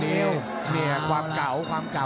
พีชทำลายจังหวะรอหลอกแล้วข้างขวา